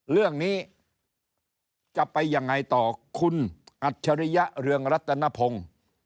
เรื่องนี้จะไปยังไงต่อคุณอัจฉริยะเรืองรัตนพงศ์